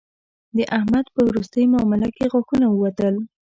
د احمد په روستۍ مامله کې غاښونه ووتل